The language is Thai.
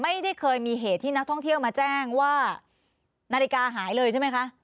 ไม่ได้เคยมีเหตุที่นักท่องเที่ยวมาแจ้งว่านาฬิกาหายเลยใช่ไหมคะ